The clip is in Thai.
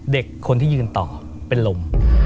เด็กคนที่ยืนต่อเป็นลม